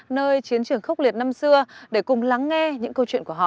nơi chiến trường khốc liệt năm xưa để cùng lắng nghe những câu chuyện của họ